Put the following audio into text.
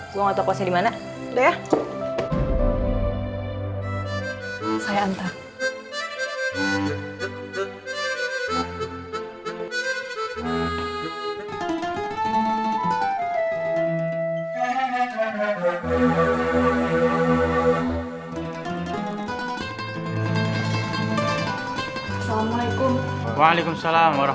gue gak tau kelasnya dimana